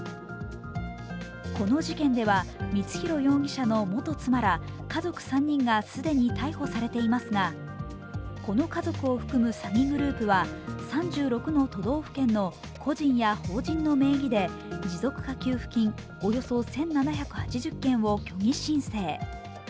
この事件では光弘容疑者の元妻ら家族３人が既に逮捕されていますが、この家族を含む詐欺グループは３６の都道府県の個人や法人の名義で持続化給付金およそ１７８０件を虚偽申請。